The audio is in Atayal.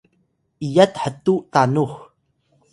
iyat htuw tanux